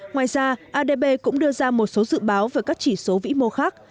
ngoài ra adb cũng đưa ra một số dự báo về các chỉ số vĩ mô khác